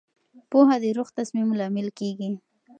پوهه د روغ تصمیم لامل کېږي.